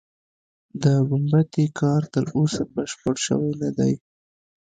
د ګومبتې کار تر اوسه بشپړ شوی نه دی.